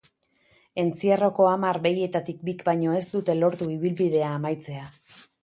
Entzierroko hamar behietatik bik baino ez dute lortu ibilbidea amaitzea.